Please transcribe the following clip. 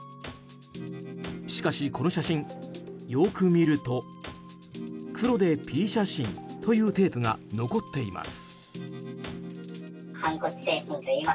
しかし、この写真、よく見ると黒でＰ写真というテープが残っています。